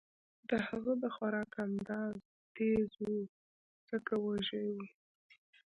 د هغه د خوراک انداز تېز و ځکه وږی و